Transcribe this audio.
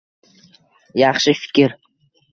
Yaxshi fikr.